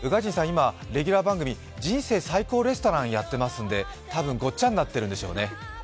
今レギュラー番組「人生最高レストラン」をやっていますのでたぶんごっちゃになっているんでしょうね。